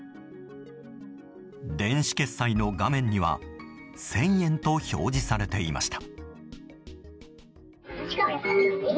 電子決済の画面には１０００円と表示されていました。